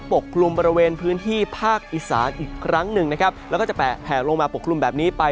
กลุ่มบริเวณพื้นที่ภาคอีสานอีกครั้งหนึ่งนะครับแล้วก็จะแปะแผลลงมาปกคลุมแบบนี้ไป